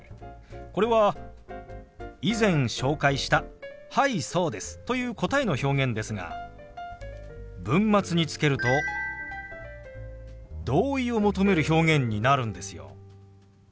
これは以前紹介した「はいそうです」という答えの表現ですが文末につけると同意を求める表現になるんですよ。